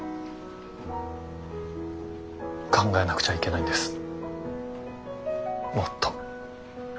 考えなくちゃいけないんですもっと。